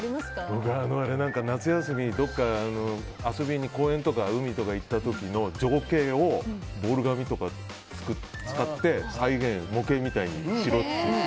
僕は夏休みどこか遊びに公園とか海とかに行った時の情景をボール紙とか使って再現、模型みたいにしろって。